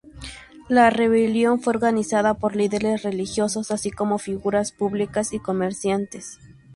La rebelión fue organizada por líderes religiosos, así como figuras públicas y comerciantes.